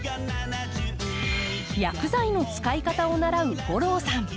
薬剤の使い方を習う吾郎さん。